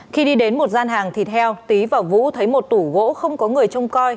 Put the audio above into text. khi đi đến một gian hàng thịt heo tý và vũ thấy một tủ gỗ không có người trông coi